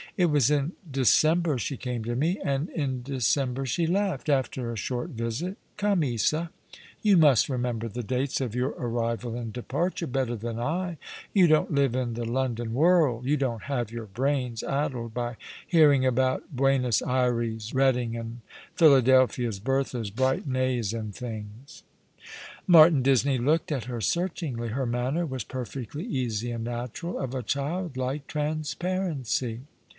It was in December she came to me — and in December she left — after a short visit. Come, Isa. You must remember the dates of your arrival and departure, better than I. You don't live in the London whirl. You don't have your brains addled by hearing about Buenos Ayres, Eeading and Phila delphias. Berthas, Brighton A'e, and things." Martin Disney looked at her searchingly. Her manner was perfectly easy and natural, of a childlike transparency.